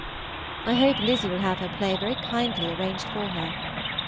I hope Lizzy will have her play very kindly arranged for her.